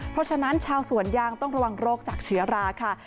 เพราะฉะนั้นชาวสวนยางต้องระวังโรคจากเชื้อราค่ะ